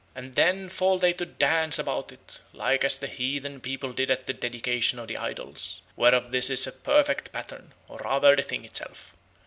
And then fall they to daunce about it, like as the heathen people did at the dedication of the Idols, whereof this is a perfect pattern, or rather the thing itself.